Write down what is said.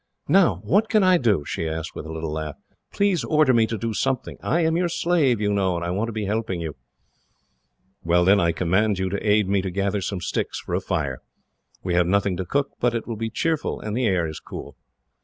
"Now, what can I do?" she asked, with a little laugh. "Please order me to do something. I am your slave, you know, and I want to be helping you." "Well, then, I command you to aid me to gather some sticks for a fire. We have nothing to cook, but it will be cheerful, and the air is cool."